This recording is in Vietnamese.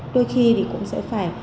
đôi khi thì cũng sẽ phải